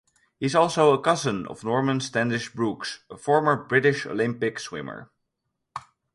He is also a cousin of Norman Standish Brooks, a former British Olympic swimmer.